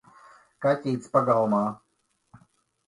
Kaķītis pagalmā!